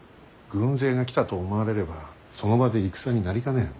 軍勢が来たと思われればその場で戦になりかねん。